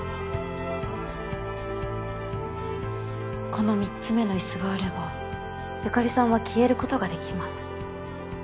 この３つ目の椅子があれば由香里さんは消えることができます。